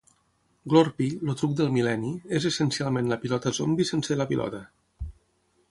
Glorpy, el "truc del mil·lenni", és essencialment la pilota zombi sense la pilota.